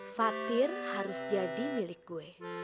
fatir harus jadi milik kue